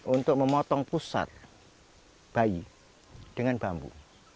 untuk memotong pusat bayi dengan bambu